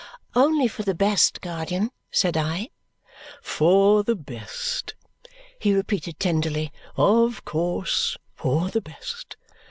"Only for the best, guardian," said I. "For the best?" he repeated tenderly. "Of course, for the best.